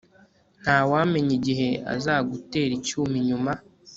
ntawamenya igihe azagutera icyuma inyuma